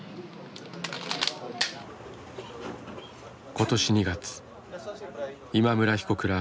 今年２月今村被告ら